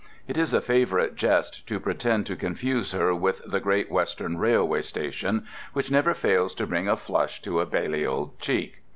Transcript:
It is a favourite jest to pretend to confuse her with the Great Western Railway Station, which never fails to bring a flush to a Balliol cheek.